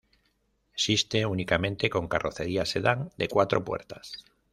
Existe únicamente con carrocería sedán de cuatro puertas.